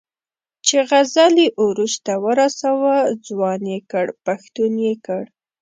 چې غزل یې عروج ته ورساوه، ځوان یې کړ، پښتون یې کړ.